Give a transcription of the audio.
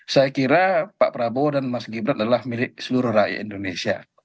saya kira pak prabowo dan mas gibran adalah milik seluruh rakyat indonesia